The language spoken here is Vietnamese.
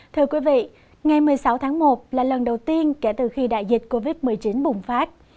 thưa quý vị ngày một mươi sáu tháng một là lần đầu tiên kể từ khi đại dịch covid một mươi chín bùng phát